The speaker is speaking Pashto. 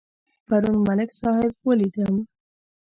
پرون ملک صاحب ولیدم.